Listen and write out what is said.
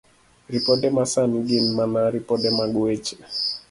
Ripode Masani Gin mana ripode mag weche.